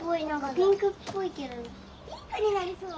ピンクになりそう。